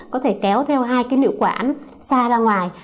có thể kéo theo hai cái liệu quản sa ra ngoài